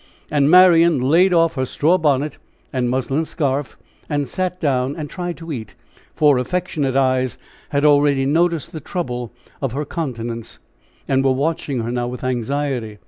And Marian laid off her straw bonnet and muslin scarf and sat down and tried to eat, for affectionate eyes had already noticed the trouble of her countenance, and were watching her now with anxiety.